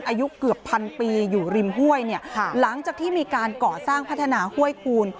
อายุเกือบพันปีอยู่ริมห้วยเนี่ยหลังจากที่มีการก่อสร้างพัฒนาห้วยคูณ